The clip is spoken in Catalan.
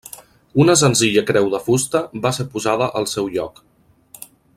Una senzilla creu de fusta va ser posada al seu lloc.